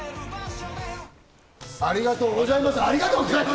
ありがとうございます。